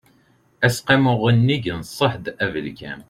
aseqqamu unnig n ṣṣehd abelkam